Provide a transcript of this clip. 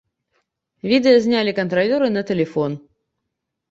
Відэа знялі кантралёры на тэлефон.